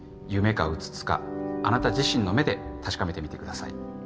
夢か現かあなた自身の目で確かめてみてください。